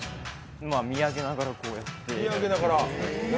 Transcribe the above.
見上げながらこうやって。